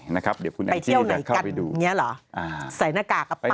นะครับเดี๋ยวอันจี้จะเข้าไปดูไปเที่ยวไหนกันสายหน้ากากกับเปล่า